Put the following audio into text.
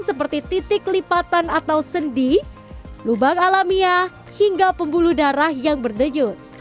seperti titik lipatan atau sendi lubang alamiah hingga pembuluh darah yang berdejut